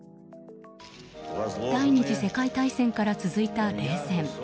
第２次世界大戦から続いた冷戦。